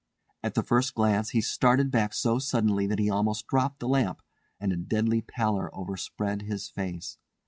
At the first glance he started back so suddenly that he almost dropped the lamp, and a deadly pallor overspread his face.